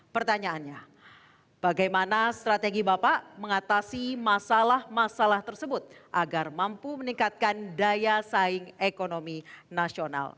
pertanyaannya bagaimana strategi bapak mengatasi masalah masalah tersebut agar mampu meningkatkan daya saing ekonomi nasional